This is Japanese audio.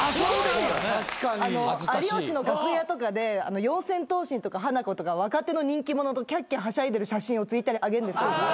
『有吉』の楽屋とかで四千頭身とかハナコとか若手の人気者とキャッキャはしゃいでる写真をＴｗｉｔｔｅｒに上げるんですよ。